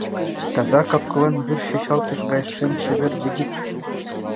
Таза кап-кылан вӱр чӱчалтыш гай шем чевер дигит.